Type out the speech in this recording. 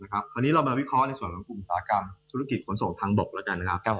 คราวนี้เรามาวิเคราะห์ในส่วนของกลุ่มอุตสาหกรรมธุรกิจขนส่งทางบกแล้วกันนะครับ